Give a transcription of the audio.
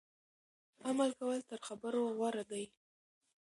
عمل کول تر خبرو غوره دي.